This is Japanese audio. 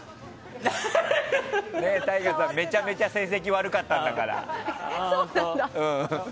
ＴＡＩＧＡさん、めちゃめちゃ成績悪かったんだから。